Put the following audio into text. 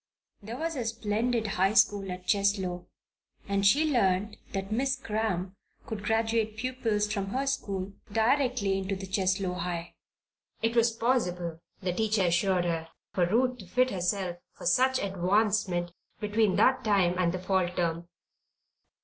There was a splendid high school at Cheslow, and she learned that Miss Cramp could graduate pupils from her school directly into the Cheslow High. It was possible, the teacher assured her, for Ruth to fit herself for such advancement between that time and the fall term.